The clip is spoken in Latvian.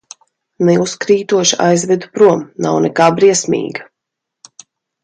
Neuzkrītoši aizvedu prom, nav nekā briesmīga.